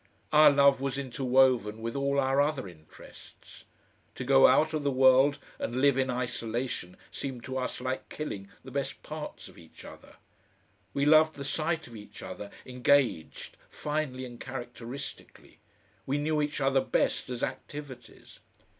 Our love was interwoven with all our other interests; to go out of the world and live in isolation seemed to us like killing the best parts of each other; we loved the sight of each other engaged finely and characteristically, we knew each other best as activities.